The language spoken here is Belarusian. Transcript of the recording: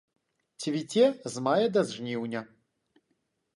Цвіце з мая да жніўня.